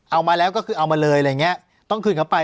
เอามาแล้วก็คือเอามาเลยอะไรอย่างเงี้ยต้องคืนเขาไป